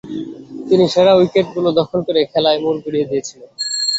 তিনি সেরা উইকেটগুলো দখল করে খেলায় মোড় ঘুরিয়ে দিয়েছিলেন।